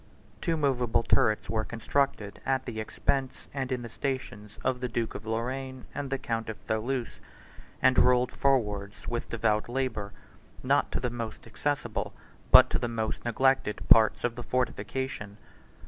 Two movable turrets were constructed at the expense, and in the stations, of the duke of Lorraine and the count of Tholouse, and rolled forwards with devout labor, not to the most accessible, but to the most neglected, parts of the fortification.